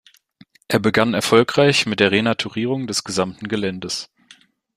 Er begann erfolgreich mit der Renaturierung des gesamten Geländes.